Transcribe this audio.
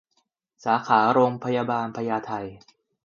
สาขาโรงพยาบาลพญาไท